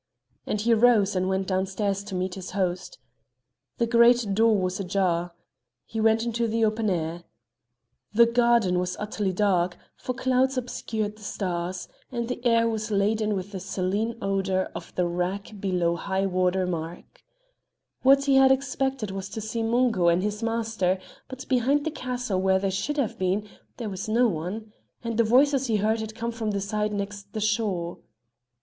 And he rose and went downstairs to meet his host. The great door was ajar. He went into the open air. The garden was utterly dark, for clouds obscured the stars, and the air was laden with the saline odour of the wrack below high water mark. The tide was out. What he had expected was to see Mungo and his master, but behind the castle where they should have been there was no one, and the voices he heard had come from the side next the shore.